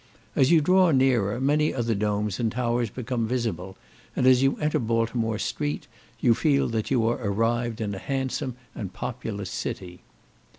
As you draw nearer, many other domes and towers become visible, and as you enter Baltimore street, you feel that you are arrived in a handsome and populous city.